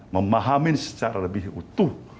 memahamin secara lebih utuh